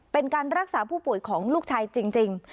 เป็นการรักษาผู้ป่วยของลูกชายจริง